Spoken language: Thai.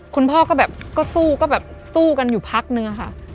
คุณพ่อก็แบบก็สู้ก็แบบสู้กันอยู่พักนึงอะค่ะ